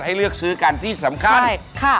ให้เลือกซื้อกันที่สำคัญ